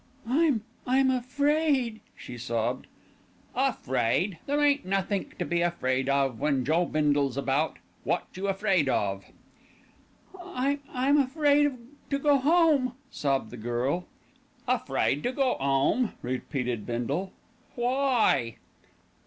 "I'm I'm afraid," she sobbed. "Afraid! There ain't nothink to be afraid of when Joe Bindle's about. Wot you afraid of?" "I'm I'm afraid to go home," sobbed the girl. "Afraid to go 'ome," repeated Bindle. "Why?"